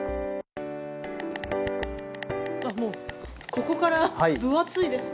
もうここから分厚いですね